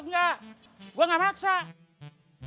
enggak gua nggak maksa tenang